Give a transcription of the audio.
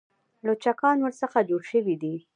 لوچکان ورڅخه جوړ شوي دي.